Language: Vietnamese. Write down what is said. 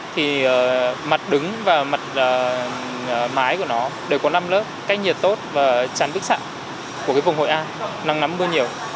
thì mặt đứng và mặt mái của nó đều có năm lớp cách nhiệt tốt và chắn vứt sẵn của vùng hội an nắng nắm mưa nhiều